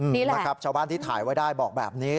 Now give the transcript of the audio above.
นี่นะครับชาวบ้านที่ถ่ายไว้ได้บอกแบบนี้